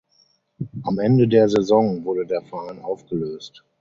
Am Ende der Saison wurde der Verein aufgelöst.